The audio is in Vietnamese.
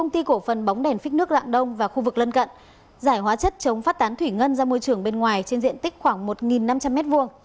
công ty cổ phần bóng đèn phích nước rạng đông và khu vực lân cận giải hóa chất chống phát tán thủy ngân ra môi trường bên ngoài trên diện tích khoảng một năm trăm linh m hai